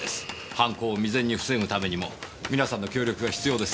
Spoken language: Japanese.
犯行を未然に防ぐためにも皆さんの協力が必要です。